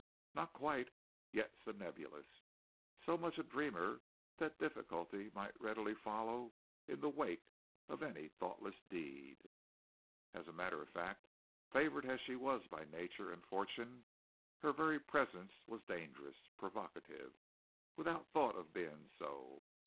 Not quite, yet so nebulous, so much a dreamer that difficulty might readily follow in the wake of any thoughtless deed. As a matter of fact, favored as she was by nature and fortune, her very presence was dangerous provocative, without thought of being so.